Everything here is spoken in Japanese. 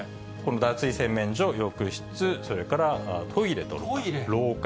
脱衣洗面所、浴室、それからトイレと廊下。